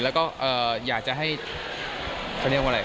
แล้วก็อยากจะให้เขาเรียกว่าอะไร